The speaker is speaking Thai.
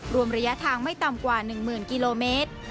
รวมระยะทางไม่ต่ำกว่า๑๐๐๐กิโลเมตร